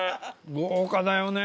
豪華だよね。